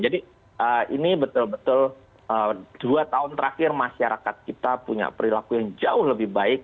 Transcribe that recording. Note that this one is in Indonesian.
jadi ini betul betul dua tahun terakhir masyarakat kita punya perilaku yang jauh lebih baik